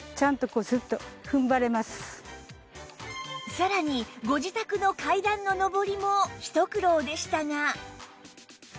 さらにご自宅の階段の上りもひと苦労でしたが